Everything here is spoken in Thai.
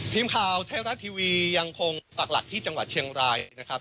ทีมข่าวไทยรัฐทีวียังคงปักหลักที่จังหวัดเชียงรายนะครับ